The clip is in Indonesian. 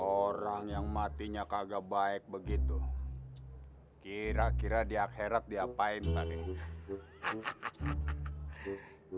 orang yang matinya kagak baik begitu hai kira kira di akhirat diapain tadi